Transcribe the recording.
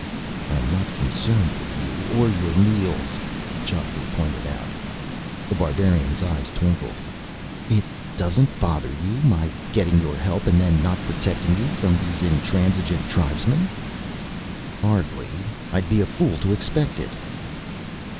"I'm not concerned with you, or your meals," Geoffrey pointed out. The Barbarian's eyes twinkled. "It doesn't bother you, my getting your help and then not protecting you from these intransigent tribesmen?" "Hardly. I'd be a fool to expect it."